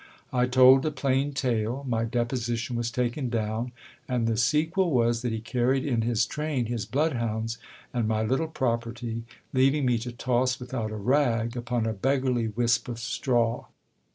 I told a plain tale. My deposition was taken down ; and the sequel was, that he carried in his train his bloodhounds, and my little property, leaving me to toss without a rag upon a beggarly wisp of straw.